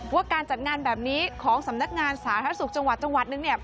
ว่าการจัดงานแบบนี้ของสำนักงานสาธารณสุขจังหวัดจังหวัดนึงเนี่ย